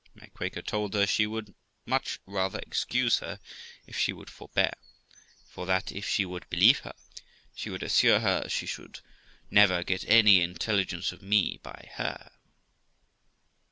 My Quaker told her she would much rather excuse her if she would forbear j for that if she THE LIFE OF ROXANA 385 would believe her, she would assure her she should never get any intelli gence of me by her.